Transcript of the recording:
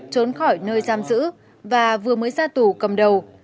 trốn khỏi nơi giam giữ và vừa mới ra tù cầm đầu